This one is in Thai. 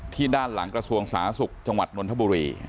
ด้านหลังกระทรวงสาธารณสุขจังหวัดนนทบุรี